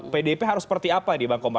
pdp harus seperti apa di bangkomar